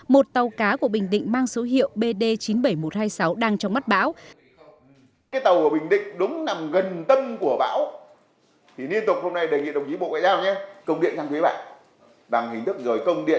một tàu cá của bình định mang số hiệu bd chín mươi bảy nghìn một trăm hai mươi sáu đang trong mắt bão